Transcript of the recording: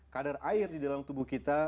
kadar air di dalam tubuh kita